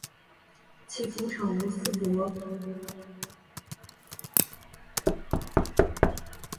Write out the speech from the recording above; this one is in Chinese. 其主场为斯特伯恩希思公园体育场。